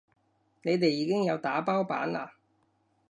你哋已經有打包版啦